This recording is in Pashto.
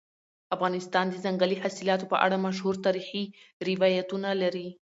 افغانستان د ځنګلي حاصلاتو په اړه مشهور تاریخي روایتونه لري.